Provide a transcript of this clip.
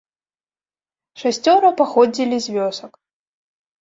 Шасцёра паходзілі з вёсак.